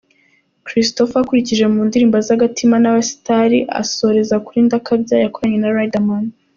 Christopher akurikiye mu ndirimbo ze Agatima na Abasitari asoreza kuri Ndakabya yakoranye na Riderman.